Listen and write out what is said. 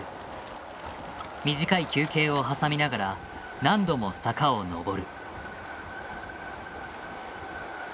短い休憩を挟みながら何度も坂を上る。